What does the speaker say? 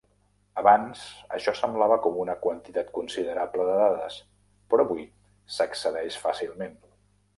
Abans això semblava com una quantitat considerable de dades, però avui s'excedeix fàcilment.